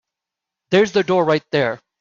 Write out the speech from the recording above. There's the door right there.